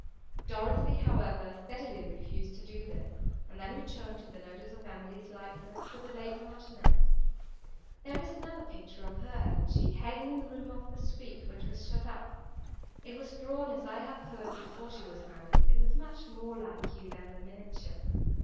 Dorothée, however, steadily refused to do this, and then returned to the notice of Emily's likeness to the late Marchioness. "There is another picture of her," added she, "hanging in a room of the suite, which was shut up. It was drawn, as I have heard, before she was married, and is much more like you than the miniature."